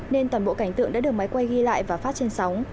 nên toàn bộ cảnh tượng đã được máy quay ghi lại và phát trên sóng